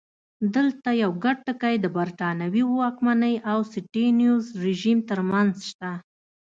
دلته یو ګډ ټکی د برېټانوي واکمنۍ او سټیونز رژیم ترمنځ شته.